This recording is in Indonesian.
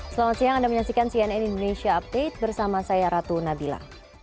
selamat siang anda menyaksikan cnn indonesia update bersama saya ratu nabila